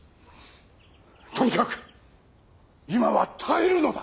とにかく今は耐えるのだ！